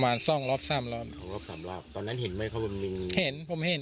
หมุนกี่ครั้งตรงนั้นเจอเบื้องขึ้น